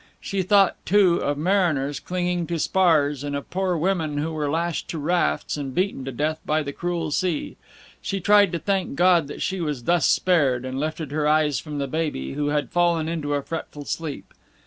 She thought, too, of mariners clinging to spars, and of poor women who were lashed to rafts, and beaten to death by the cruel sea. She tried to thank God that she was thus spared, and lifted her eyes from the baby, who had fallen into a fretful sleep.